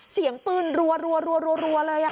เสียงปืนรัวเลย